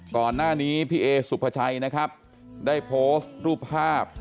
ก่อนหน้านี้พี่เอสุภาชัยนะครับได้โพสต์รูปภาพ